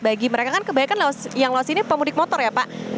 bagi mereka kan kebanyakan yang lolos ini pemudik motor ya pak